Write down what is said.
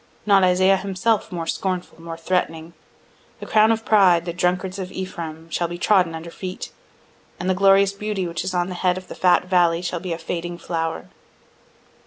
Not Isaiah himself more scornful, more threatening: "The crown of pride, the drunkards of Ephraim, shall be trodden under feet: And the glorious beauty which is on the head of the fat valley shall be a fading flower."